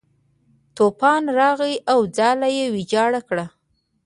طوفان راغی او ځاله یې ویجاړه کړه.